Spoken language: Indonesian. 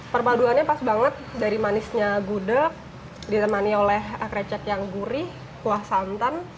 perpaduannya pas banget dari manisnya gudeg ditemani oleh krecek yang gurih kuah santan